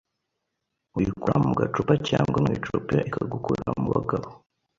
uyikura mugacuma cyangwa mu icupa ikagukura mubagabo